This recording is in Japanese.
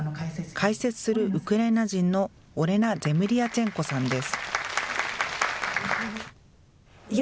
解説するウクライナ人のオレナ・ゼムリヤチェンコさんです。